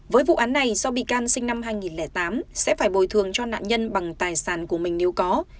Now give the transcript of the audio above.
với vụ án này do bị can sinh năm hai nghìn tám sẽ phải bồi thường cho nạn nhân bằng tài sản của mình nếu có